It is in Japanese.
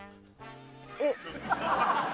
えっ。